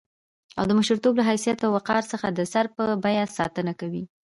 او د مشرتوب له حيثيت او وقار څخه د سر په بيه ساتنه کوي.